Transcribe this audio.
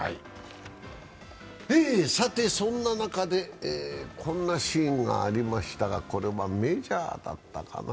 さてそんな中でこんなシーンがありましたがこれはメジャーだったかな。